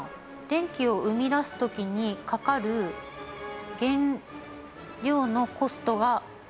電気を生み出す時にかかる原料のコストが高いから。